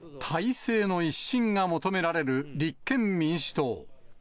体制の一新が求められる立憲民主党。